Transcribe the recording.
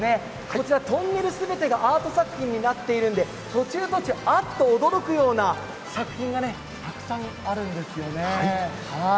こちらトンネル全てがアート作品になっているので途中、途中、あっと驚くような作品がたくさんあるんですよね。